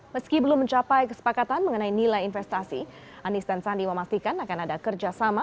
meski belum mencapai kesepakatan mengenai nilai investasi anies dan sandi memastikan akan ada kerjasama